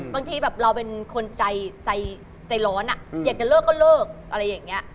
บางทีแบบเราเป็นคนใจร้อนอยากจะเลิกก็เลิกอะไรอย่างนี้